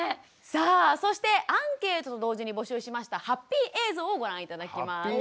さあそしてアンケートと同時に募集しましたハッピー映像をご覧頂きます。